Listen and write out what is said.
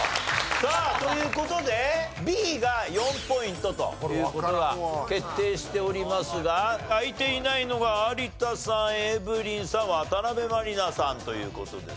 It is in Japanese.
さあという事でＢが４ポイントという事が決定しておりますが開いていないのが有田さんエブリンさん渡辺満里奈さんという事ですね。